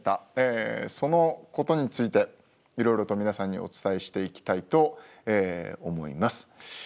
そのことについていろいろと皆さんにお伝えしていきたいと思います。